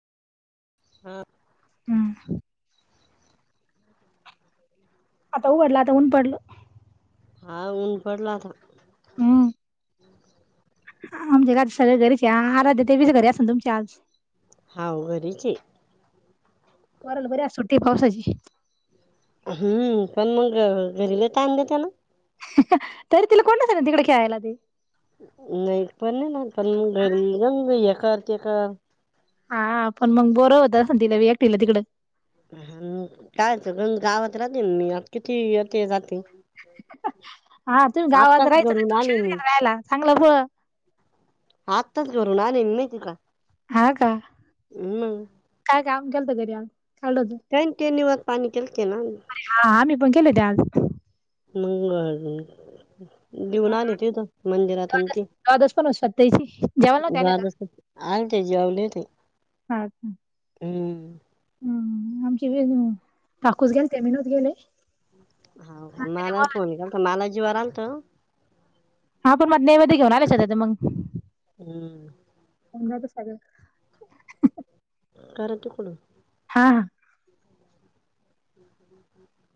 हं. हम्म. आता उघडला, आता ऊन पडलं. हा ऊन पडल आता. हम्म. आमच्या आज सगळे घरीचे हा, आराध्या तेबी घरीच असन तुमची आज. हाव घरीचे. पोराला बरी आज सुट्टी पावसाची. हम्म, पण मग घरी लय ताण देत्यांना. तरी तिला कोण नसन तिकड खेळायला ते. [unintelligible] हा पण मग बोरं होत असन तिला बी एकटीला तिकडं. कायच गंज गावात राहते न मी किती येत जाते. हा तुम्ही गावात आताच राहायचं ना घरून आले तिकडे मी. राहायला चांगलं पुढं आत्ताच घरून आले माहिते का? हा का? मग काय काम केलंत घरी काढलं होत? काई न ते निवद पानी केलते ना. हा आम्ही पण केलेते आज. मंग हा, घेऊन आलितीत मंदिरात आन ती. तेसी जा दुवादस, आलते जेवले ते. हा का? हम्म. हम आमची वेणू काकूच गेलत्या मी नव्हते गेले. हा मला फोन केलता मला जीवार आलत हा पण मधल्या मधी घेऊन आल्या शेजारच्या मंग. हम्म. [unintelligible] करा तिकडून हा... हा..